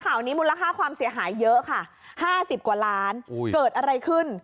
ข่าวนี้มูลค่าความเสียหายเยอะค่ะ๕๐กว่าล้านเกิดอะไรขึ้น